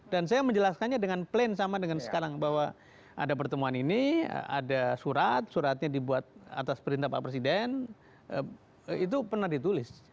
dan saya menjelaskannya dengan plain sama dengan sekarang bahwa ada pertemuan ini ada surat suratnya dibuat atas perintah pak presiden itu pernah ditulis